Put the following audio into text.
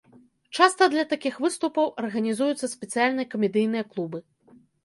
Часта для такіх выступаў арганізуюцца спецыяльныя камедыйныя клубы.